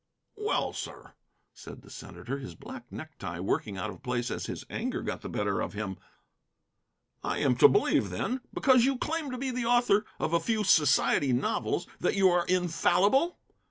"Well, sir," said the senator, his black necktie working out of place as his anger got the better of him, "I am to believe, then, because you claim to be the author of a few society novels, that you are infallible?